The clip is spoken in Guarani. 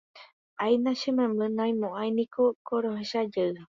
Áina che memby naimo'ãiniko ko rohechajey